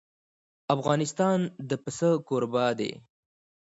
افغانستان د پسه کوربه دی.